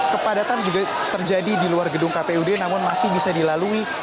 kepadatan juga terjadi di luar gedung kpud namun masih bisa dilalui